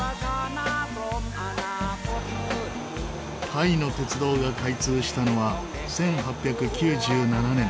タイの鉄道が開通したのは１８９７年。